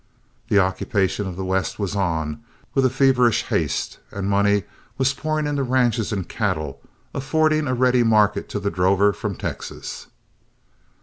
The occupation of the West was on with a feverish haste, and money was pouring into ranches and cattle, affording a ready market to the drover from Texas.